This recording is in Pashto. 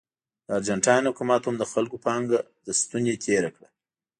د ارجنټاین حکومت هم د خلکو پانګه له ستونې تېره کړه.